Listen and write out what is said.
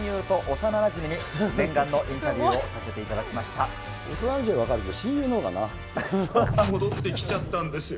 幼なじみは分かるけど親友の戻ってきちゃったんですよ。